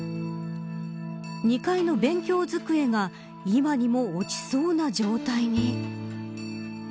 ２階の勉強机が今にも落ちそうな状態に。